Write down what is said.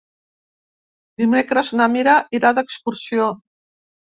Dimecres na Mira irà d'excursió.